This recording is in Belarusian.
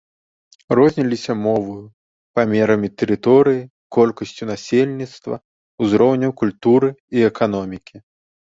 Розніліся моваю, памерамі тэрыторыі, колькасцю насельніцтва, узроўнем культуры і эканомікі.